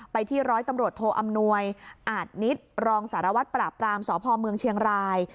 ที่ร้อยตำรวจโทอำนวยอาจนิตรองสารวัตรปราบปรามสพเมืองเชียงราย